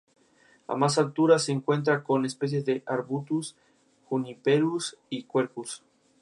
Ha participado en la cuarta temporada de la serie "Suits".